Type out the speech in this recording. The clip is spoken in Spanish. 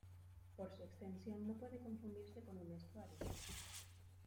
Por su extensión no puede confundirse con un estuario.